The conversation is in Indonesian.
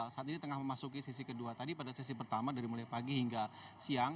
saat ini tengah memasuki sesi kedua tadi pada sesi pertama dari mulai pagi hingga siang